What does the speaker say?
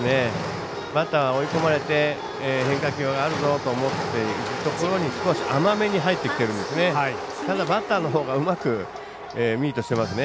バッター追い込まれて変化球あるぞと思っているところに少し甘めに入ってきてるんですね。